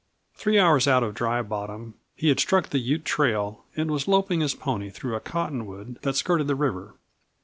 Three hours out of Dry Bottom he had struck the Ute trail and was loping his pony through a cottonwood that skirted the river.